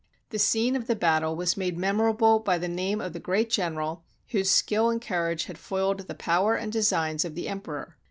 The scene of the battle was made memorable by the name of the great general whose skill and courage had foiled the power and designs of the Emperor.